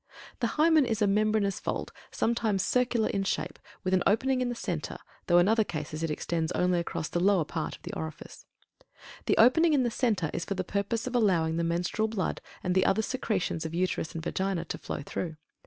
The Hymen is a membranous fold, sometimes circular in shape, with an opening in the center, though in other cases it extends only across the lower part of the orifice. The opening in the center is for the purpose of allowing the menstrual blood and the other secretions of Uterus and Vagina to flow through.